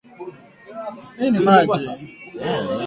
viazi lishe ni muhimu